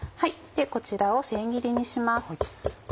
こちらを千切りにします。